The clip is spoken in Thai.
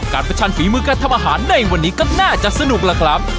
ประชันฝีมือการทำอาหารในวันนี้ก็น่าจะสนุกล่ะครับ